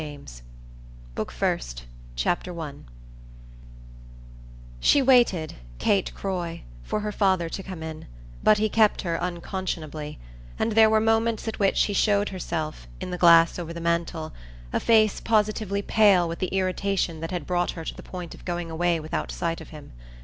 VOLUME 1 Book First, Chapter 1 She waited, Kate Croy, for her father to come in, but he kept her unconscionably, and there were moments at which she showed herself, in the glass over the mantel, a face positively pale with the irritation that had brought her to the point of going away without sight of him.